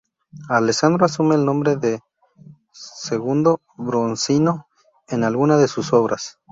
Alessandro asume el nombre de Il Bronzino en alguna de sus obras.